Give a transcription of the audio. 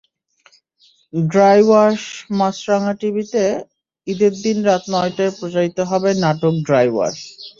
Dry ওয়াশমাছরাঙা টিভিতে ঈদের দিন রাত নয়টায় প্রচারিত হবে নাটক ড্রাই ওয়াশ।